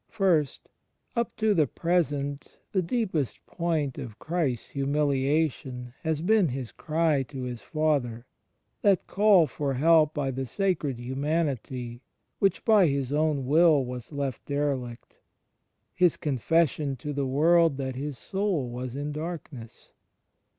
(i) Up to the present the deepest point of Christ's Humiliation has been His cry to His Father — that call for help by the Sacred Hmnanity which by His own Will was left derelict — His confession to the world that His Soul was in darkness.